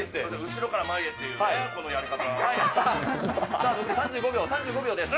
後ろから前へっていうこのやさあ、３５秒、３５秒です。